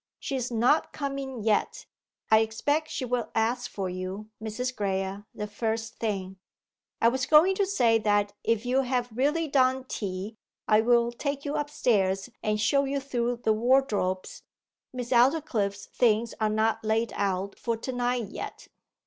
She is not come in yet. I expect she will ask for you, Mrs. Graye, the first thing.... I was going to say that if you have really done tea, I will take you upstairs, and show you through the wardrobes Miss Aldclyffe's things are not laid out for to night yet.